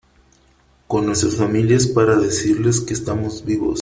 con nuestras familias para decirles que estamos vivos .